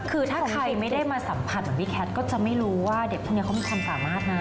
คือถ้าใครไม่ได้มาสัมผัสเหมือนพี่แคทก็จะไม่รู้ว่าเด็กพวกนี้เขามีความสามารถนะ